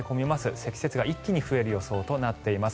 積雪が一気に増える予想となっています。